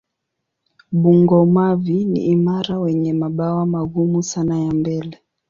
Bungo-mavi ni imara wenye mabawa magumu sana ya mbele.